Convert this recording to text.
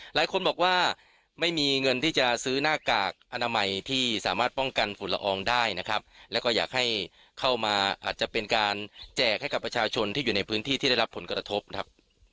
หลายคนบอกว่าไม่มีเงินที่จะซื้อหน้ากากอนามัยที่สามารถป้องกันฝุ่นละอองได้นะครับแล้วก็อยากให้เข้ามาอาจจะเป็นการแจกให้กับประชาชนที่อยู่ในพื้นที่ที่ได้รับผลกระทบนะครับ